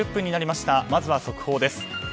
まずは速報です。